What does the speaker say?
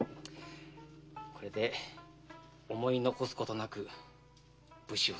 これで思い残すことなく武士を捨てられる。